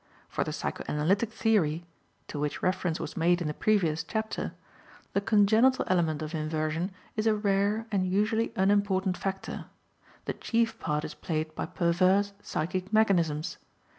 For the psychoanalytic theory (to which reference was made in the previous chapter) the congenital element of inversion is a rare and usually unimportant factor; the chief part is played by perverse psychic mechanisms.